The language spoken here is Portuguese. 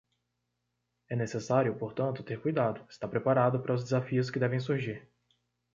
É necessário, portanto, ter cuidado, estar preparado para os desafios que devem surgir.